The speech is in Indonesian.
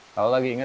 kalau lagi ingat